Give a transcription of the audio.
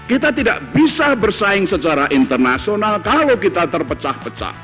kita tidak bisa bersaing secara internasional kalau kita terpecah pecah